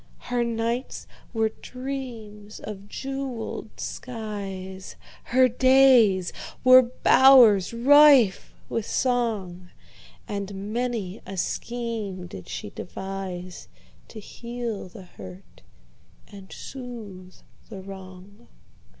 Her nights were dreams of jeweled skies, Her days were bowers rife with song, And many a scheme did she deviseTo heal the hurt and soothe the wrong.